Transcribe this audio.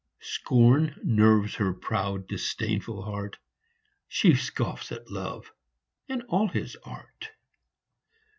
Scorn nerves her proud, disdainful heart ! She scoffs at Love and all his art